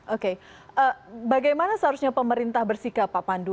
oke bagaimana seharusnya pemerintah bersikap pak pandu